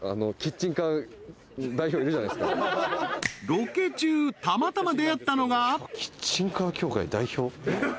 ［ロケ中たまたま出会ったのが］